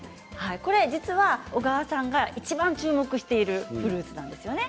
これは実は小川さんがいちばん注目しているフルーツなんですよね。